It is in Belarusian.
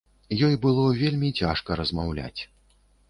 Ёй было вельмі цяжка размаўляць.